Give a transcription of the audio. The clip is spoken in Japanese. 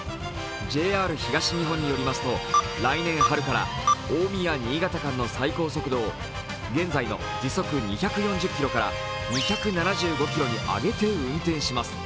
ＪＲ東日本によりますと来年春から大宮ー新潟間の最高速度を現在の２４０キロから２７５キロに上げて運転します。